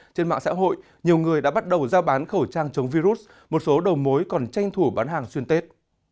trên mạng xã hội nhiều người đã bắt đầu giao bán khẩu trang chống virus một số đầu mối còn tranh thủ bán hàng xuyên tết